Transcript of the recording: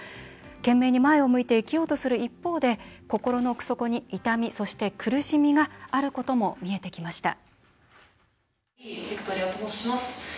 懸命に前を向いて生きようとする一方で心の奥底に痛み、そして苦しみがあることも見えてきました。